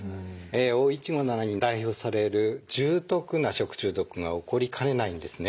Ｏ１５７に代表される重篤な食中毒が起こりかねないんですね。